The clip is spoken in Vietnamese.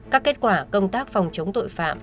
các kết quả công tác phòng chống tội phạm